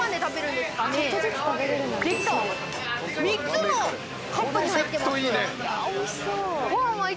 できた３つもカップに入ってます。